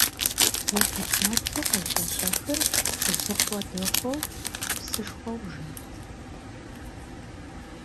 Зэпылъ нэпсу къещэщэхыр зы къуэ дэхуэу псышхуэу жэнт.